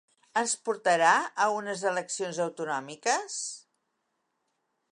Ens portarà a unes eleccions autonòmiques?